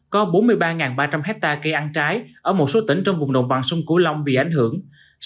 có bốn mươi ba ba trăm linh hectare cây ăn trái ở một số tỉnh trong vùng đồng bằng sông cửu long bị ảnh hưởng